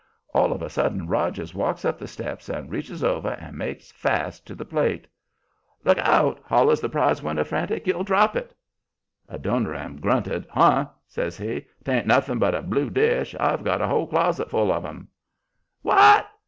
All of a sudden Rogers walks up the steps and reaches over and makes fast to the plate. "Look out!" hollers the prize winner, frantic. "You'll drop it!" Adoniram grunted. "Huh!" says he. "'Tain't nothing but a blue dish. I've got a whole closet full of them." "WHAT?"